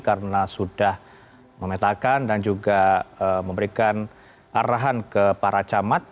karena sudah memetakan dan juga memberikan arahan ke para camat